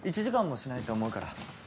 １時間もしないと思うから。